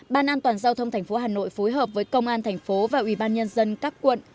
ban an toàn giao thông thành phố hà nội phối hợp với công an thành phố và ubnd các quận